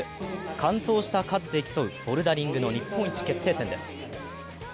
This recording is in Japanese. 完登した数で競うボルダリングの日本一決定戦です。